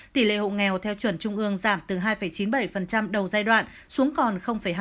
tỷ lệ hộ nghèo theo chuẩn trung ương giảm từ hai chín mươi bảy đầu giai đoạn xuống còn hai